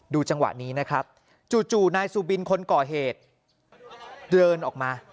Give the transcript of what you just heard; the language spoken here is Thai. จังหวะนี้นะครับจู่นายสุบินคนก่อเหตุเดินออกมา